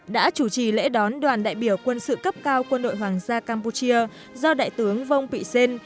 đã chủ trì lễ đón đoàn đại biểu quân sự cấp cao quân đội hoàng gia campuchia do đại tướng vông pị xên